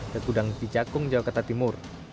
ke kudang di jakung jawa kata timur